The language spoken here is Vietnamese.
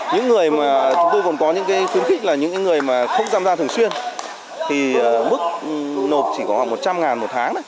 những người mà chúng tôi còn có những khuyến khích là những người mà không tham gia thường xuyên thì mức nộp chỉ có khoảng một trăm linh ngàn một tháng